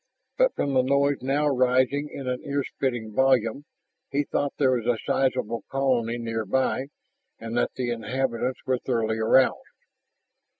But from the noise now rising in an earsplitting volume, he thought there was a sizable colony near by and that the inhabitants were thoroughly aroused.